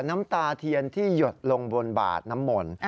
น้ำตาเทียนที่หยดลงบนบาดน้ำมนต์